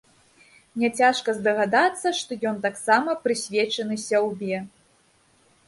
Няцяжка здагадацца, што ён таксама прысвечаны сяўбе.